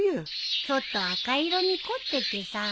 ちょっと赤色に凝っててさ。